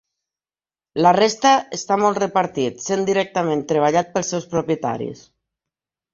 La resta està molt repartit, sent directament treballat pels seus propietaris.